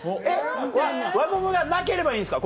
輪ゴムがなければいいんですか？